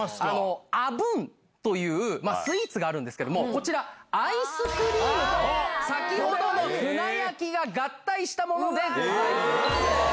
アブンというスイーツがあるんですけどもこちらアイスクリームと先ほどのふな焼きが合体したものでございます。